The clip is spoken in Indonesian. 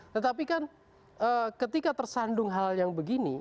tetapi kan ketika tersandung hal yang begini